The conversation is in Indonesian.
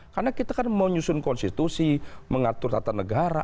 karena kita kan mau nyusun konstitusi mengatur tata negara